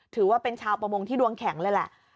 ถือว่าเป็นชาวประมงที่ดวงแข็งเลยแหละ